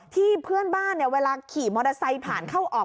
เพื่อนบ้านเวลาขี่มอเตอร์ไซค์ผ่านเข้าออก